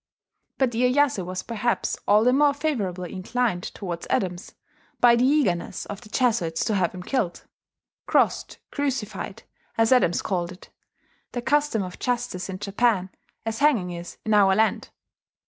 But Iyeyasu was perhaps all the more favourably inclined towards Adams by the eagerness of the Jesuits to have him killed "crossed [crucified]," as Adams called it, "the custome of iustice in Japan, as hanging is in our land."